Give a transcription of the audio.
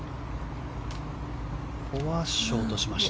ここはショートしました。